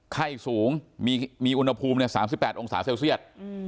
ไข้สูงมีอุณหภูมิ๓๘องศาเซลเซียต